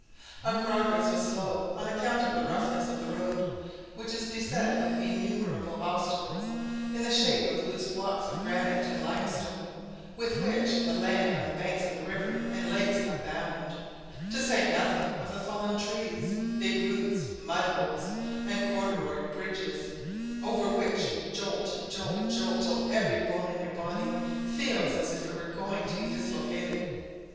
Our progress was but slow on account of the roughness of the road, which is beset with innumerable obstacles in the shape of loose blocks of granite and limestone, with which the lands on the banks of the river and lakes abound; to say nothing of fallen trees, big roots, mud holes, and corduroy bridges, over which you go jolt, jolt, jolt, till every bone in your body feels as if it were going to be dislocated.